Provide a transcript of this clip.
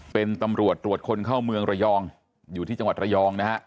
เป็นตำรวจตรวจคนเข้าเมืองระยองอยู่ที่จังหวัดระยองนะฮะ